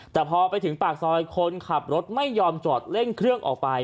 แต่พอไปถึงปากซอยคนขับรถไม่ยอมจอดเร่งเครื่องออกไป